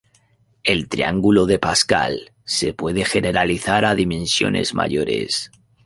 El triángulo de Pascal se puede generalizar a dimensiones mayores.